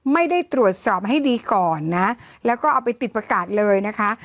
ไม่ได้ตรวจสอบให้ดีก่อนนะแล้วก็เอาไปติดประกาศเลยนะคะ